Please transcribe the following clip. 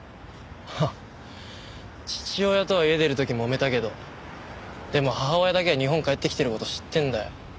ハッ父親とは家出る時もめたけどでも母親だけは日本帰ってきてる事知ってんだよ。